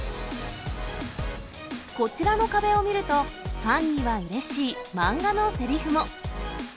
こちらの壁を見ると、ファンにはうれしい漫画のせりふも。